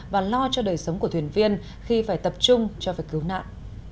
và lo cho đời sống của thuyền viên khi phải tập trung cho phải cứu nạn